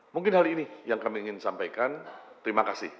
mungkin hari ini yang kami ingin sampaikan terima kasih